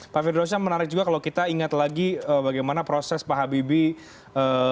pak firdausya menarik juga kalau kita ingat lagi bagaimana proses pak habibie